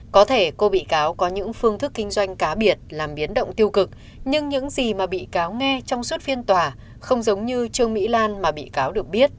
có thể cô bị cáo có những phương thức kinh doanh cá biệt làm biến động tiêu cực nhưng những gì mà bị cáo nghe trong suốt phiên tòa không giống như trương mỹ lan mà bị cáo được biết